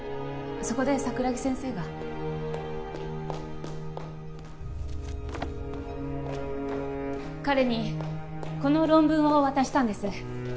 そこで桜木先生が彼にこの論文を渡したんです